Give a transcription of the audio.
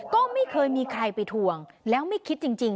ก็ไม่เคยมีใครไปทวงแล้วไม่คิดจริง